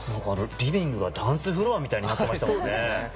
リビングがダンスフロアみたいになってましたもんね。